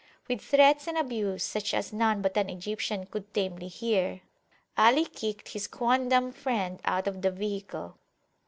With threats and abuse such as none but an Egyptian could tamely hear, Ali kicked his quondam friend out of the vehicle.